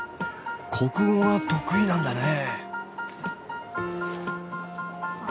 国語が得意なんだね！